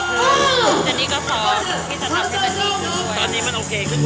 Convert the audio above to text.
คือเจนนี่ก็สอบที่จะทำให้มันดีขึ้นด้วย